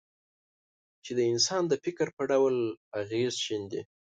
چې د انسان د فکر په ډول اغېز شیندي.